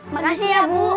makasih ya bu